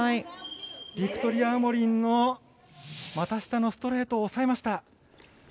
ビクトリア・アモリンの股下のシュートを押さえました。